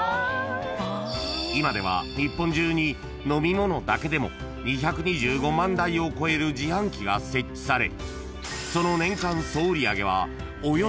［今では日本中に飲み物だけでも２２５万台を超える自販機が設置されその］